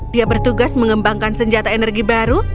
dia bertugas mengembangkan senjata energi baru